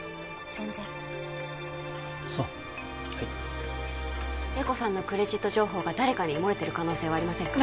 全然そうはい瑛子さんのクレジット情報が誰かに漏れてる可能性はありませんか？